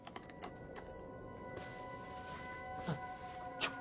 ちょっ。